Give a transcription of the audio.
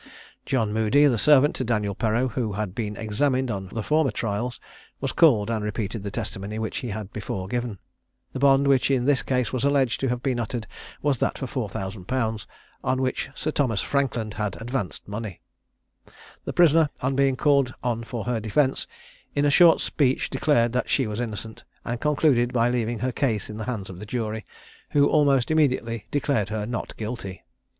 John Moody, the servant to Daniel Perreau, who had been examined on the former trials, was called, and repeated the testimony which he had before given. The bond which in this case was alleged to have been uttered was that for 4000_l._, on which Sir Thomas Frankland had advanced money. The prisoner, on being called on for her defence, in a short speech declared that she was innocent, and concluded by leaving her case in the hands of the jury, who almost immediately declared her not guilty.